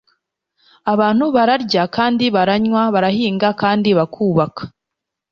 Abantu bararya kandi baranywa, barahinga kandi bakubaka,